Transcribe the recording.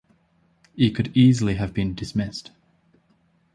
He could easily have been dismissed.